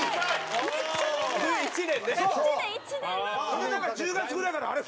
それでなんか１０月ぐらいからあれ？